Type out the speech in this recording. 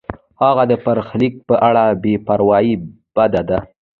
د هغه د برخلیک په اړه بې پروایی بده ده.